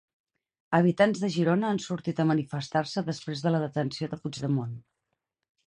Habitants de Girona han sortit a manifestar-se després de la detenció de Puigdemont.